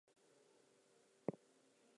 The spirit of his grandfather dwelt in a snake.